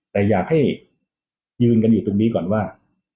แต่อยากให้ยืนกันอยู่ตรงนี้ก่อนว่า